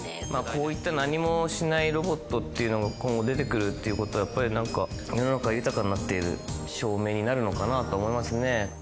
こういった何もしないロボットっていうのが、今後、出てくるということはやっぱりなんか、世の中豊かになっている証明になるのかなと思いますね。